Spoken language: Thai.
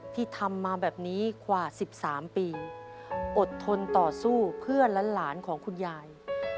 ที่ทำมาแบบนี้กว่า๑๓ปีอดทนต่อสู้เพื่อนและหลานของคุณยาย